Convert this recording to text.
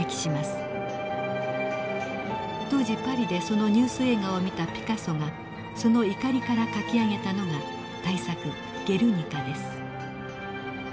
当時パリでそのニュース映画を見たピカソがその怒りから描き上げたのが大作「ゲルニカ」です。